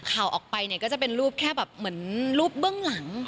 ข่าวออกไปเนี่ยก็จะเป็นรูปแค่แบบเหมือนรูปเบื้องหลัง